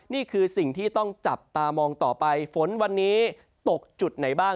นี่คือสิ่งที่ต้องจับตามองต่อไปฝนวันนี้ตกจุดไหนบ้าง